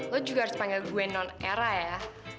lo juga harus panggil gue non era ya